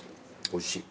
おいしい。